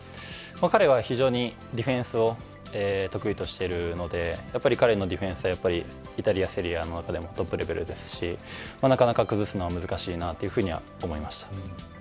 彼は非常にディフェンスを得意としているので彼のディフェンスはやっぱりイタリア、セリエＡの中でもトップレベルですしなかなか崩すのは難しいと思いました。